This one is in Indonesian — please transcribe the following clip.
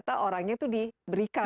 barangnya itu diberikan